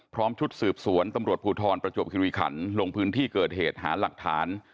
พร้อมชุดสืบสวนตพประจวบคิวิขันลงพื้นที่เกิดเหตุหาหลักฐาน